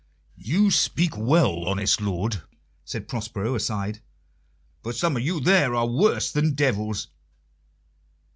"You speak well, honest lord," said Prospero aside, "for some of you there are worse than devils."